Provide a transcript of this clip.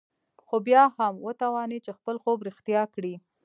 خو بيا هم وتوانېد چې خپل خوب رښتيا کړي.